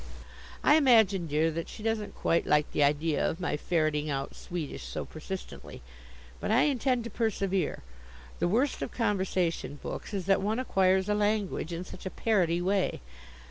"I imagine, dear, that she doesn't quite like the idea of my ferreting out Swedish so persistently. But I intend to persevere. The worst of conversation books is that one acquires a language in such a parroty way.